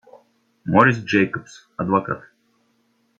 Морис Джейкобс, адвокат.